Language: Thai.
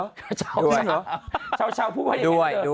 โอ้ยเหรอเด้ว